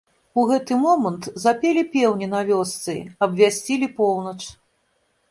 У гэты момант запелі пеўні на вёсцы, абвясцілі поўнач.